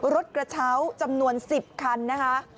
รถกระเช้าจำนวน๑๐คันนะคะ